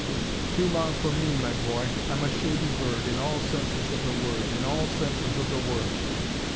"Too long for me, my boy. I'm a shady bird, in all senses of the word, in all senses of the word.